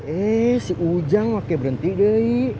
eh si ujang pakai berhenti deh